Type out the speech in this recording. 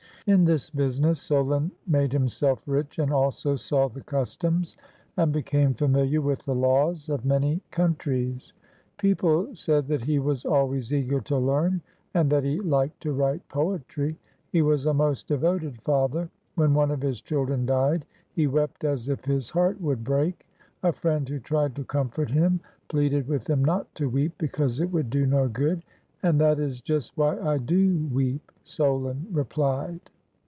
In this business Solon made himself rich and also saw the customs and became familiar with the laws of many countries. People said that he was always eager to learn and that he liked to write poetry. He was a most de voted father. When one of his children died, he wept as if his heart would break. A friend who tried to comfort him pleaded with him not to weep, because it would do no good. "And that is just why I do weep," Solon re plied.